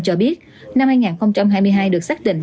cho biết năm hai nghìn hai mươi hai được xác định